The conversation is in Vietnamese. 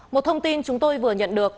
một thông tin chúng tôi vừa nhận được